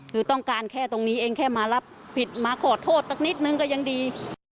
คือต้องการแค่ตรงนี้เองแค่มารับผิดมาขอโทษสักนิดนึงก็ยังดี